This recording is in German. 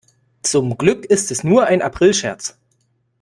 Zum Glück ist es nur ein Aprilscherz.